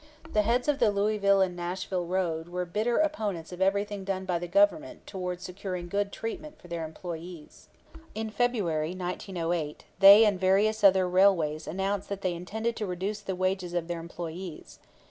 The heads of the Louisville and Nashville road were bitter opponents of everything done by the Government toward securing good treatment for their employees. In February, 1908, they and various other railways announced that they intended to reduce the wages of their employees.